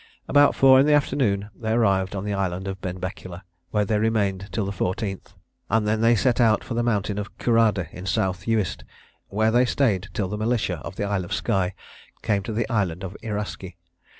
About four in the afternoon they arrived on the island of Benbecula, where they remained till the 14th, and then they set out for the mountain of Currada, in South Uist, where they staid till the militia of the Isle of Skye came to the island of Irasky.